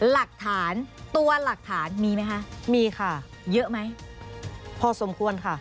หลักฐานตัวหลักฐานมีไหมคะมีค่ะเยอะไหมพอสมควรค่ะ